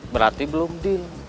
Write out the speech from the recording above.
berarti belum deal